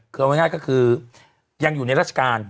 คือเอาง่ายก็คือยังอยู่ในราชการ